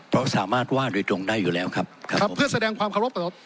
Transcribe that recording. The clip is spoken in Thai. เพราะสามารถว่าโดยตรงได้อยู่แล้วครับครับเพื่อแสดงความเคารพกับ